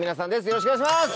よろしくお願いします！